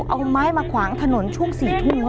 เอาไม้มาขวางถนนช่วง๔ทุ่ม